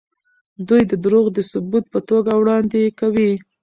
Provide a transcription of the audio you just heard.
دوی دروغ د ثبوت په توګه وړاندې کوي.